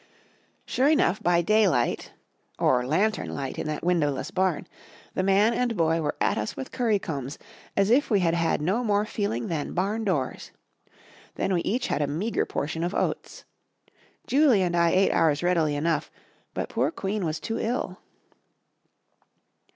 Sure enough, by daylight (or lantern light in that windowless barn) the man and boy were at us with currycombs as if we had had no more feeling than barn doors. Then we each had a meager portion of oats. Julie and I ate ours readily enough, but poor Queen was too ill.